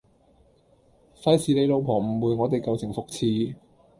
費事你老婆誤會我哋舊情復熾